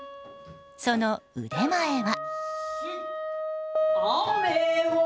その腕前は。